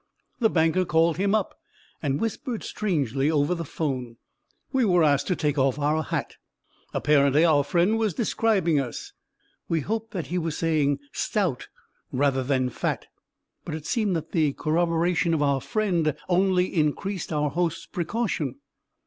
The banker called him up and whispered strangely over the phone. We were asked to take off our hat. Apparently our friend was describing us. We hoped that he was saying "stout" rather than "fat." But it seemed that the corroboration of our friend only increased our host's precaution.